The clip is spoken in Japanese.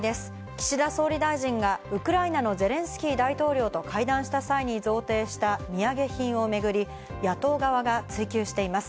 岸田総理大臣がウクライナのゼレンスキー大統領と会談した際に贈呈した土産品をめぐり、野党側が追及しています。